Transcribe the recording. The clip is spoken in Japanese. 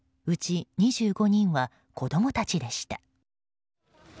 うち２５人は子供たちでした。